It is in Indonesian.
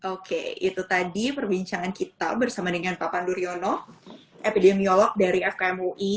oke itu tadi perbincangan kita bersama dengan pak pandu riono epidemiolog dari fkm ui